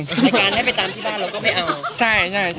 ในการให้ไปจำที่บ้านเราก็ไม่เอา